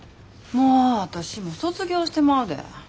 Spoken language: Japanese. もう私も卒業してまうで。